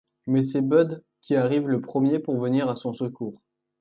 Mais c'est Bud qui arrive le premier pour venir à son secours.